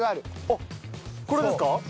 あっこれですか？